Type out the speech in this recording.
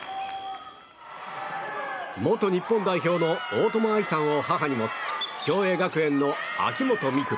元日本代表の大友愛さんを母に持つ共栄学園の秋本美空。